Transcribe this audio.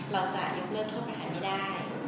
เราจะยกเลิกโทษประหารไม่ได้